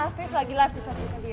afif lagi live di facebooknya dia